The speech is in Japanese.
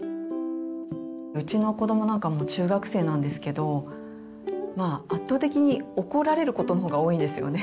うちの子どもなんかもう中学生なんですけどまあ圧倒的に怒られることの方が多いんですよね。